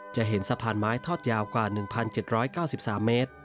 จะเห็นสะพานไม้ทอดยาวกว่า๑๗๙๓เมตร